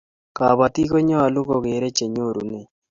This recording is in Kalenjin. kabatik konyalun kokere chenyorune